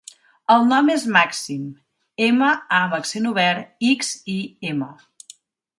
El nom és Màxim: ema, a amb accent obert, ics, i, ema.